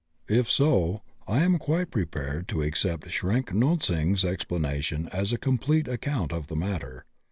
If so, I am quite prepared to accept Schrenck Notzing's explanation as a complete account of the matter.